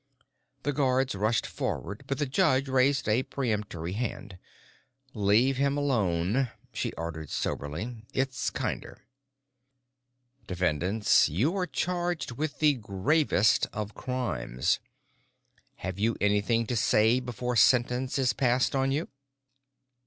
The guards rushed forward, but the judge raised a peremptory hand. "Leave him alone," she ordered soberly. "It is kinder. Defendants, you are charged with the gravest of crimes. Have you anything to say before sentence is passed on you?"